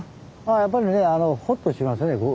やっぱりねほっとしますね